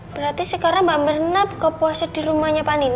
berarti sekarang mbak mirna buka puasa di rumahnya panino